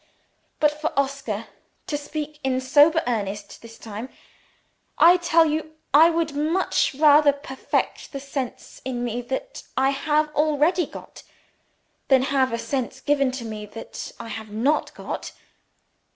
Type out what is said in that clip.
But for Oscar to speak in sober earnest, this time I tell you I would much rather perfect the sense in me that I have already got, than have a sense given to me that I have not got.